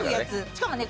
しかもね